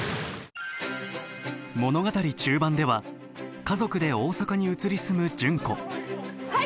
物語中盤では家族で大阪に移り住む純子はい！